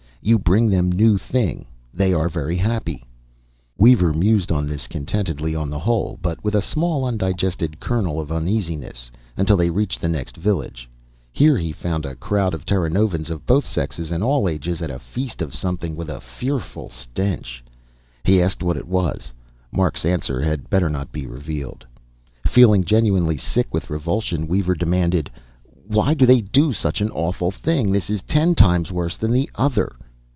You bring them new thing, they very happy." Weaver mused on this, contentedly on the whole, but with a small undigested kernel of uneasiness, until they reached the next village. Here he found a crowd of Terranovans of both sexes and all ages at a feast of something with a fearful stench. He asked what it was; Mark's answer had better not be revealed. Feeling genuinely sick with revulsion, Weaver demanded, "Why do they do such an awful thing? This is ten times worse than the other."